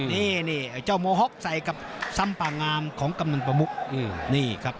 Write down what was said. นี่ไอ้เจ้าโมฮ็อกใส่กับซ้ำป่างามของกำนันประมุกนี่ครับ